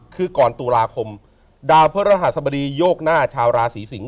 คือก่อนตุลาคมดาวพระรหัสบดีโยกหน้าชาวราศีสิงศ